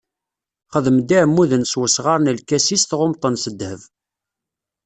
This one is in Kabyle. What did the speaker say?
Xdem-d iɛmuden s wesɣar n lkasis tɣummeḍ-ten s ddheb.